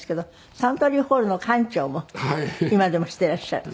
サントリーホールの館長も今でもしていらっしゃる。